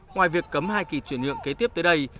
ngoài việc cấm hai kỳ chuyển nhượng kế tiếp tới đây